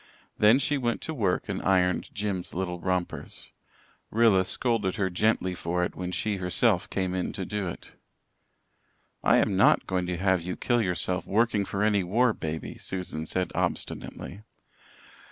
Then she went to work and ironed Jims's little rompers. Rilla scolded her gently for it when she herself came in to do it. "I am not going to have you kill yourself working for any war baby," Susan said obstinately.